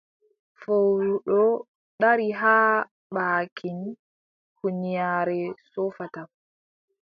Fowru ɗon dari haa baakin huunyaare soofata.